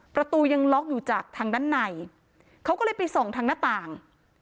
ประตูยังล็อกอยู่จากทางด้านในเขาก็เลยไปส่องทางหน้าต่าง